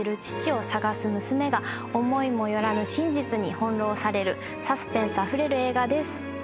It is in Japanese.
父を捜す娘が思いも寄らぬ真実に翻弄されるサスペンスあふれる映画です。